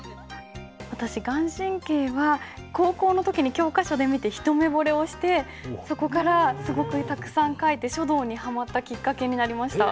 私顔真は高校の時に教科書で見て一目ぼれをしてそこからすごくたくさん書いて書道にはまったきっかけになりました。